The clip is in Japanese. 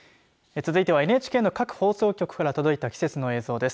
続いてはＮＨＫの各放送局から届いた季節の映像です。